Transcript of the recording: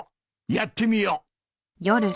やってみよう。